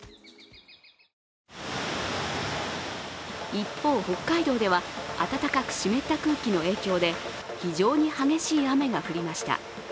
一方、北海道では暖かく湿った空気の影響で非常に激しい雨が降りました。